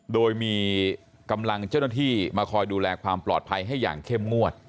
โดยมีกำลังเจ้าหน้าที่มาคอยดูแลความปลอดภัยให้อย่างเข้มงวด